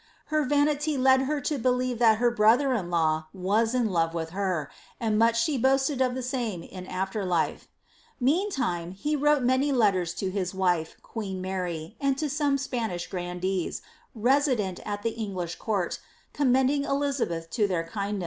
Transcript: Her vanity led her to belief that her brother in law waa in love with beE^nd much aha boaatad of the tame in after life. Meantime he wrote nnmy letten to hM wift^ qneen Mary, and to eome Spaaiah grandeee, reaident at tha EngKrii court, commending Elisabeth to their kindncec.